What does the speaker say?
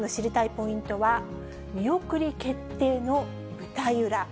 ポイントは、見送り決定の舞台裏。